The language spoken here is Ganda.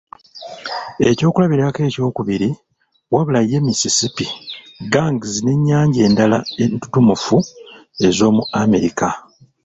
Ekyokulabirako ekyokubiri, Wabula ye Mississippi, Ganges n’ennyanja endala entutumufu ez’omu America.